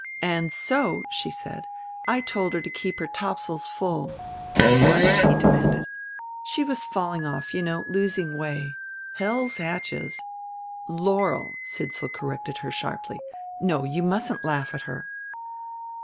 "And so," she said, "I told her to keep her topsails full." "What?" he demanded. "She was falling off, you know losing way. Hell's hatches " "Laurel," Sidsall corrected her sharply. "No, you mustn't laugh at her."